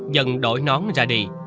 dần đổi nón ra đi